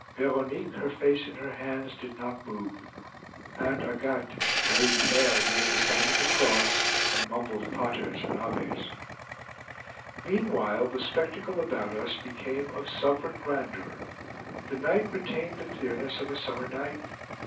Veronique, her face in her hands, did not move. Aunt Agathe, very pale, made the sign of the cross, and mumbled Paters and Aves. Meanwhile the spectacle about us became of sovereign grandeur. The night retained the clearness of a summer night.